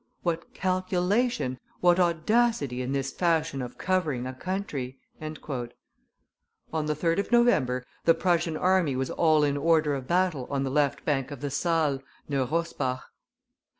What calculation, what audacity in this fashion of covering a country!" On the 3d of November the Prussian army was all in order of battle on the left bank of the Saale, near Rosbach.